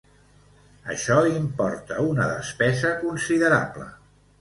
Això importa una despesa considerable.